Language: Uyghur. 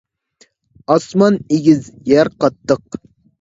ئاسمان ئېگىز، يەر قاتتىق.